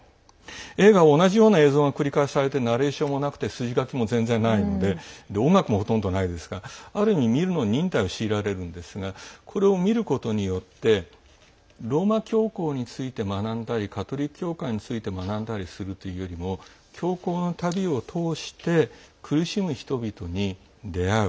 映画は同じような映像が繰り返されてナレーションがメインで筋書きも全然ないので音楽も全然ないので忍耐を強いられるんですがこれを見ることによってローマ教皇について学んだりカトリック教会について学んだりするというよりも教皇の旅を通して苦しむ人々に出会う。